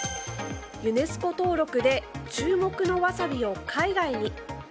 ユネスコ登録で注目のワサビを海外に！